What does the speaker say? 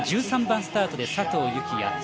１３番スタートで佐藤幸椰